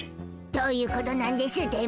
どういうことなんでしゅ？